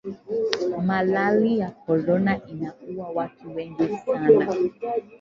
Malali ya corona inauwa watu wengi sana